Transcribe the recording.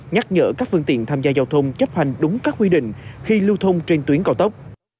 nhắc nhở các phương tiện tham gia giao thông chấp hành đúng các quy định khi lưu thông trên tuyến cao tốc